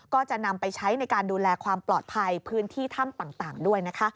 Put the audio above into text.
ก็จะนำไปใช้ในการดูแลความปลอดภัยพื้นที่ถ้ำต่างด้วยนะคะ